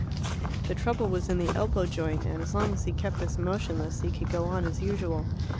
The trouble was in the elbow joint, and as long as he kept this motionless he could go on as usual.